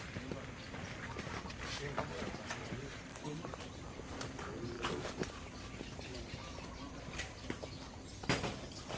ประตูหน่อยครับประตูหน่อยสำรวจ